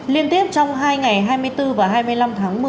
liên tiếp trong hai ngày hai mươi bốn và hai mươi năm tháng một mươi